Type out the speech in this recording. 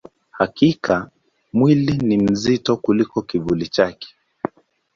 Hakika, mwili ni mzito kuliko kivuli chake.